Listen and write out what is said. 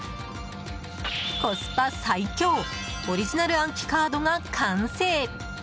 コスパ最強オリジナル暗記カードが完成！